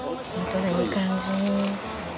いい感じ。